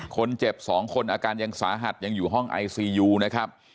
คนเจ็บ๒คนอาการยังสาหัสยังอยู่ห้องไอซียูนะครับ